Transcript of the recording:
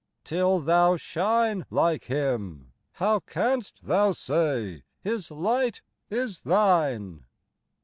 Till thou shine Like Him, how canst thou say His light is thine